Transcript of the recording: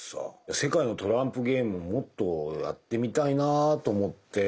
世界のトランプゲームももっとやってみたいなと思って。